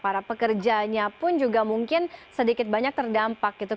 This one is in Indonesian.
para pekerjanya pun juga mungkin sedikit banyak terdampak gitu